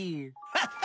ハッハ！